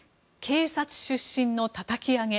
１警察出身のたたき上げ。